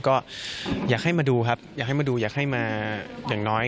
ก็อยากให้มาดูครับอยากให้มาดูอยากให้มาอย่างน้อย